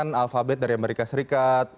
ini adalah website yang paling sering dikunjungi